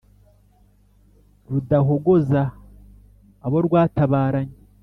Rudahogoza abo twatabaranye.